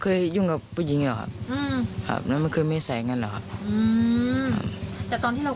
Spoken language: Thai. เคยยุ่งกับผู้หญิงหรอมันคือไม่ใส่งั้นหรอแต่ตอนที่เรา